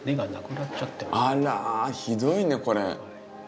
あらひどいねこれ。